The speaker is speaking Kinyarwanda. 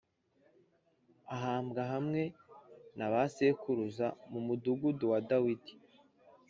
Ahambwa hamwe na ba sekuruza mu mudugudu wa dawidi